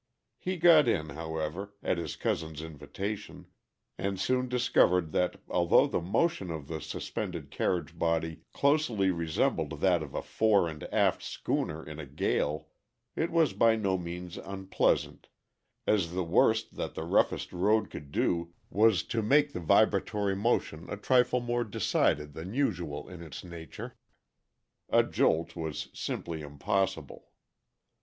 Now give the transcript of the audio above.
He got in, however, at his cousin's invitation, and soon discovered that although the motion of the suspended carriage body closely resembled that of a fore and aft schooner in a gale, it was by no means unpleasant, as the worst that the roughest road could do was to make the vibratory motion a trifle more decided than usual in its nature. A jolt was simply impossible.